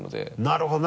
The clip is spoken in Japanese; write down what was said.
なるほど！